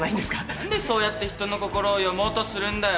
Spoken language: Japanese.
何でそうやって人の心を読もうとするんだよ。